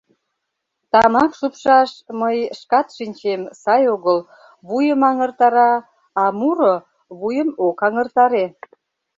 Тамак шупшаш, мый шкат шинчем, сай огыл, вуйым аҥыртара, а муро вуйым ок аҥыртаре...